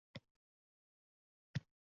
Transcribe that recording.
ikki boshlovchi